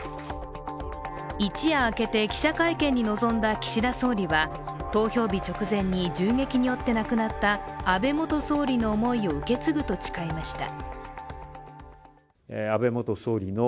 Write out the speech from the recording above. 一夜明けて記者会見に臨んだ岸田総理は、投票日直前に銃撃によって亡くなった安倍元総理の思いを受け継ぐと誓いました。